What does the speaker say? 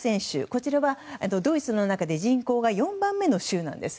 こちらはドイツの中で人口が４番目の州なんです。